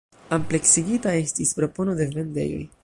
Ampleksigita estis propono de vendejoj.